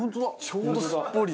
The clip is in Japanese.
ちょうどすっぽり。